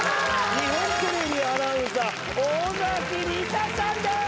日本テレビアナウンサー尾崎里紗さんです。